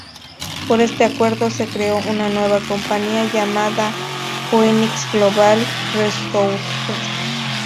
Por este acuerdo se creó una nueva compañía llamada Phoenix Global Resources.